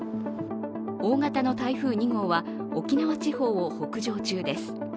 大型の台風２号は沖縄地方を北上中です。